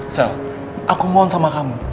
sel aku mohon sama kamu